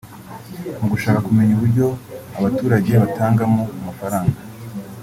Mu gushaka kumenya uburyo abaturage batangamo amafaranga